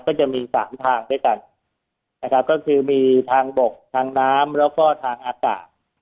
ก็จะมีสามทางด้วยกันนะครับก็คือมีทางบกทางน้ำแล้วก็ทางอากาศ